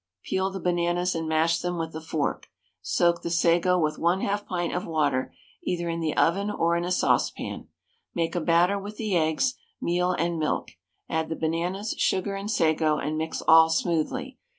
Peel the bananas and mash them with a fork. Soak the sago with 1/2 pint of water, either in the oven or in a saucepan. Make a batter with the eggs, meal, and milk; add the bananas, sugar, and sago, and mix all smoothly.